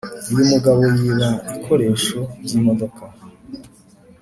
uyumugabo yiba ikoresho byimodoka